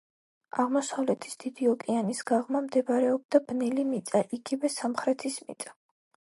აღმოსავლეთის დიდი ოკეანის გაღმა მდებარეობდა ბნელი მიწა, იგივე სამხრეთის მიწა.